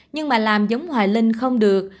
nhưng mà làm giống hoài linh không được